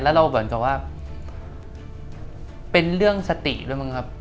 แล้วเราเหมือนกับว่าเป็นเรื่องสติด้วยมั้งครับ